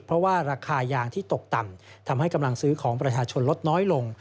เพราะว่าราคายางที่ตกต่ำทำให้กำลังซื้อของประชาชนลดน้อยลง